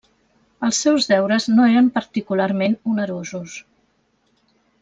Els seus deures no eren particularment onerosos.